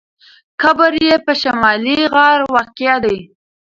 قبر یې په شمالي غاړه واقع دی.